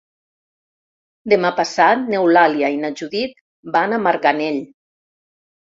Demà passat n'Eulàlia i na Judit van a Marganell.